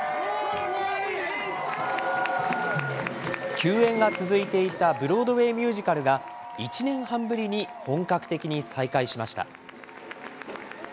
休演が続いていたブロードウェイミュージカルが、１年半ぶりに本格的に再開しました。